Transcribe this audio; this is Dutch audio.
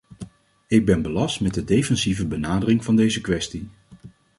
Ik ben belast met de defensieve benadering van deze kwestie.